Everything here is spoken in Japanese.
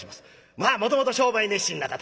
まあもともと商売熱心な方。